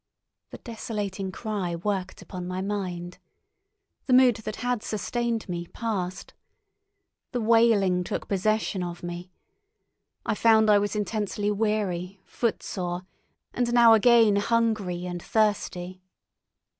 The desolating cry worked upon my mind. The mood that had sustained me passed. The wailing took possession of me. I found I was intensely weary, footsore, and now again hungry and thirsty.